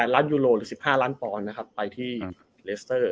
๑๘ล้านยุโรหรือ๑๕ล้านปรณไปที่เรสเตอร์